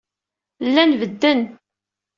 Llan bedden.